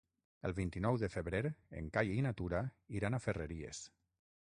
El vint-i-nou de febrer en Cai i na Tura iran a Ferreries.